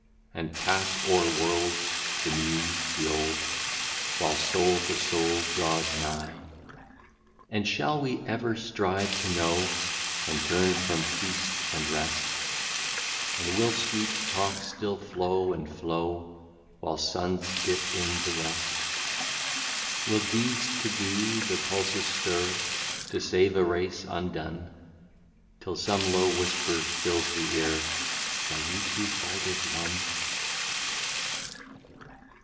And pass o'er lands, the new, the old, While soul to soul draws nigh. " And shall we ever strive to know, And turn from feast and rest ; And will sweet talk still flow and flow, While suns dip in the west ? l82 " Will deeds to do, the pulses stir, To save a race undone ; Till some low whisper fills the ear ;' Shall we two fight as one